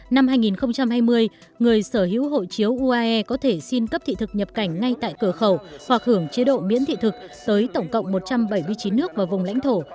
năm hai nghìn hai mươi người sở hữu hộ chiếu uae có thể xin cấp thị thực nhập cảnh ngay tại cửa khẩu hoặc hưởng chế độ miễn thị thực tới tổng cộng một trăm bảy mươi chín nước và vùng lãnh thổ